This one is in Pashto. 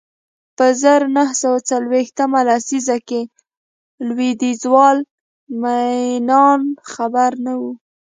په زر نه سوه څلویښتمه لسیزه کې لوېدیځوال مینان خبر نه و